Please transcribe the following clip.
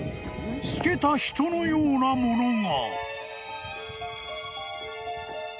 ［透けた人のようなものが］